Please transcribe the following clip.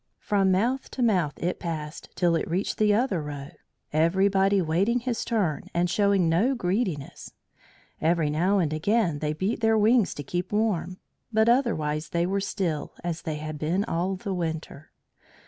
From mouth to mouth it was passed till it reached the other row, everybody waiting his turn and showing no greediness. Every now and again they beat their wings to keep warm, but otherwise they were still, as they had been all the winter.